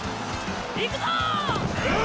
行くぞォ！